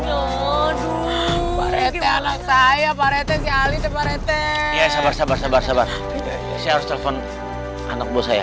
aduh anak saya pak rete kali tepate sabar sabar sabar sabar saya harus telepon anakmu saya ya